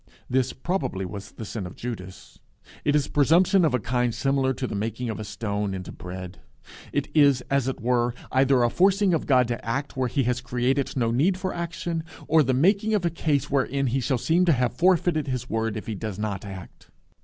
This probably was the sin of Judas. It is presumption of a kind similar to the making of a stone into bread. It is, as it were, either a forcing of God to act where he has created no need for action, or the making of a case wherein he shall seem to have forfeited his word if he does not act.